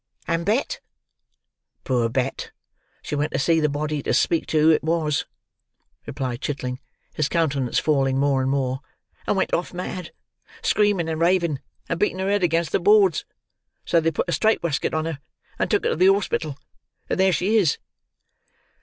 "And Bet?" "Poor Bet! She went to see the Body, to speak to who it was," replied Chitling, his countenance falling more and more, "and went off mad, screaming and raving, and beating her head against the boards; so they put a strait weskut on her and took her to the hospital—and there she is."